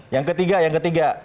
yang ketiga yang ketiga